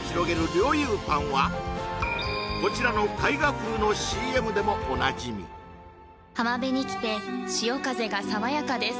こちらの絵画風のＣＭでもおなじみ浜辺に来て潮風が爽やかです